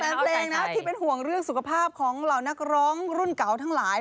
แฟนเพลงนะที่เป็นห่วงเรื่องสุขภาพของเหล่านักร้องรุ่นเก่าทั้งหลาย